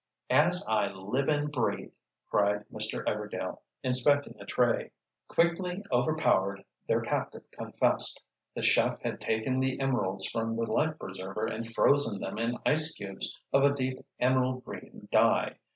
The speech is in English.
"As I live and breathe!" cried Mr. Everdail, inspecting a tray. Quickly overpowered, their captive confessed. The chef had taken the emeralds from the life preserver and frozen them in ice cubes of a deep emerald green dye.